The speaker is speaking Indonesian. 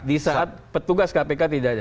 di saat petugas kpk tidak ada